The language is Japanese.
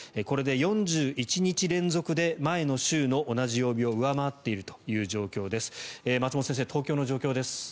これで４１日連続で前の週の同じ曜日を上回っているという状況です。